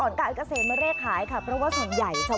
มอลำคลายเสียงมาแล้วมอลำคลายเสียงมาแล้ว